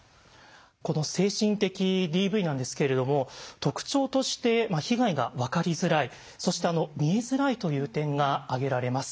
この精神的ＤＶなんですけれども特徴として被害が分かりづらいそして見えづらいという点が挙げられます。